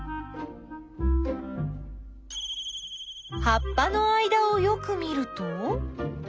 はっぱの間をよく見ると。